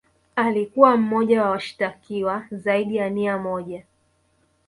Alikuwa mmoja wa washitakiwa zaidi ya nia moja